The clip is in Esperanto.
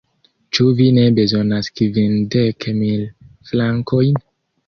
Ĉu vi ne bezonas kvindek mil frankojn?